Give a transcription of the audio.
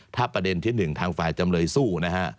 ถ้าประเด็นที่๑ทางฝ่ายจำเลยสู้นะฮะ